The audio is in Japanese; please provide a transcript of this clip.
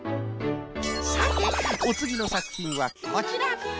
さておつぎのさくひんはこちら。